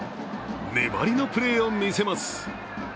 粘りのプレーを見せます。